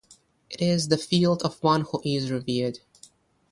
It is the field of one who is revered.